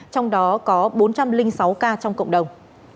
trong đó có bốn trăm linh sáu ca trong cộng đồng